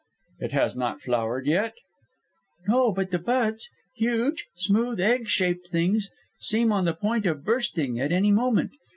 "It has not flowered yet?" "No. But the buds huge, smooth, egg shaped things seem on the point of bursting at any moment.